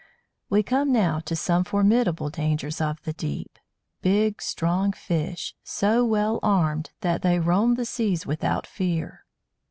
We come now to some formidable dangers of the deep big strong fish, so well armed that they roam the seas without fear.